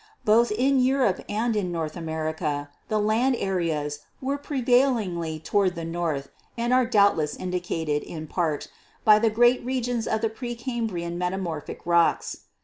Both in Europe and in North America the land areas were pre vailingly toward the north and are doubtless indicated, in part, by the great regions of the pre Cambrian metamor phic rocks.